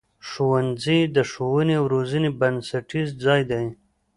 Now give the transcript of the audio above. ښوونځی د ښوونې او روزنې بنسټیز ځای دی.